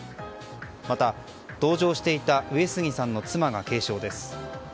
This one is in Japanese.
また同乗していた植杉さんの妻が軽傷です。